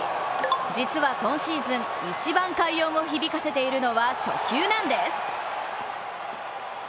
実は今シーズン、一番快音を響かせているのが初球なんです。